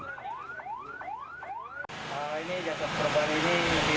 dapatnya informasi dari masyarakat tambun raya